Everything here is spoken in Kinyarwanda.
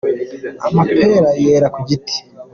Amapera yera ku giti.